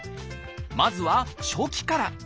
まずは初期から。